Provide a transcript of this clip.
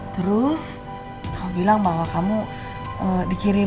terus kamu bilang bahwa kamu dikirim